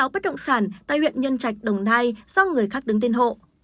bảy mươi sáu bất động sản tại huyện nhân trạch đồng nai do người khác đứng tiên hộ